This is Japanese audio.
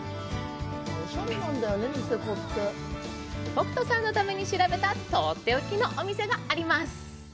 北斗さんのために調べたとっておきのお店があります